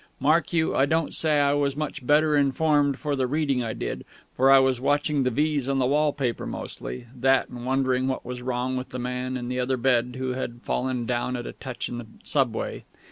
Mark you, I don't say I was much better informed for the reading I did, for I was watching the V's on the wallpaper mostly that, and wondering what was wrong with the man in the other bed who had fallen down at a touch in the subway.